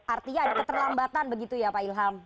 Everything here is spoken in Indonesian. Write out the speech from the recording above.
artinya ada keterlambatan begitu ya pak ilham